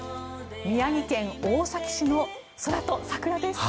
宮城県大崎市の空と桜です。